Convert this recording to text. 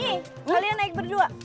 nih kalian naik berdua